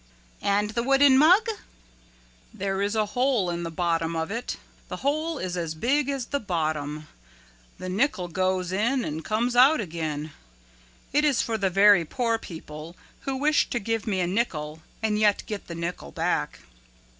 "And the wooden mug?" "There is a hole in the bottom of it. The hole is as big as the bottom. The nickel goes in and comes out again. It is for the very poor people who wish to give me a nickel and yet get the nickel back."